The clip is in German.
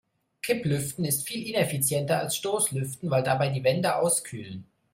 Kipplüften ist viel ineffizienter als Stoßlüften, weil dabei die Wände auskühlen.